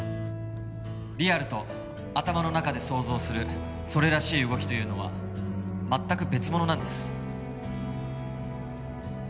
リアルと頭の中で想像するそれらしい動きというのは全く別物なんです